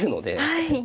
はい。